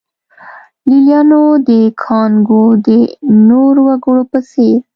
لېلیانو د کانګو د نورو وګړو په څېر.